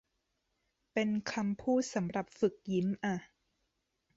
เป็นคำพูดสำหรับฝึกยิ้มอ่ะ